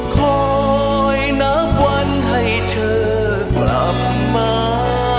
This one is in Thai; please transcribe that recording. คอยนับวันให้เธอกลับมา